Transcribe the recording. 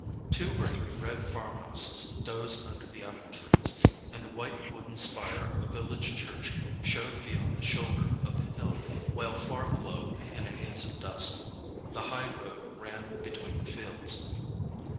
Two or three red farm houses dozed under the apple trees, and the white wooden spire of a village church showed beyond the shoulder of the hill; while far below, in a haze of dust, the high road ran between the fields.